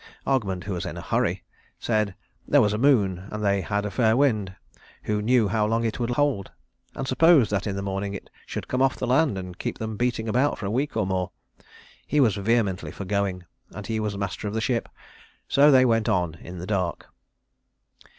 Ogmund, who was in a hurry, said, there was a moon, and they had a fair wind. Who knew how long it would hold? And suppose that in the morning it should come off the land, and keep them beating about for a week or more? He was vehemently for going, and he was master of the ship; so they went on in the dark.